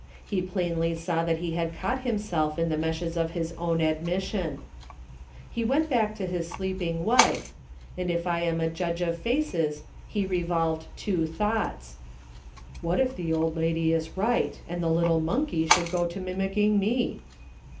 He plainly saw that he had caught himself in the meshes of his own admission. 6o A/US. SOLOMON SMITH LOOKING ON. He went back to his sleeping wife, and if I am a judge of faces, he revolved two thouglits : "What if the old lady is right, and the little monkey should go to mimicking me